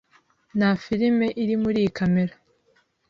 Nta firime iri muri iyi kamera.